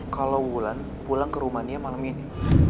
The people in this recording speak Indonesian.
kalo wulan pulang ke rumania malem ini